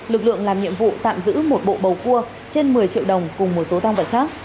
lực lượng làm nhiệm vụ tạm giữ một bộ bầu cua trên một mươi triệu đồng cùng một số tăng vật khác